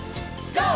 ＧＯ！